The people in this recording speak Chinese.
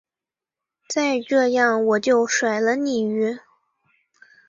再这样我就甩了你唷！